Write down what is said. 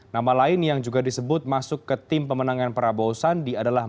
nama lain yang juga disebut masuk ke tim pemenangan prabowo sandi adalah